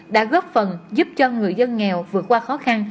đã góp phần giúp cho người dân nghèo vượt qua khó khăn